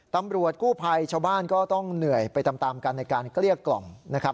ตำรวจกู้ภัยชาวบ้านก็ต้องเหนื่อยไปตามกันในการเกลี้ยกล่อมนะครับ